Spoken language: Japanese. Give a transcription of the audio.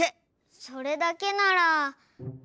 それだけなら。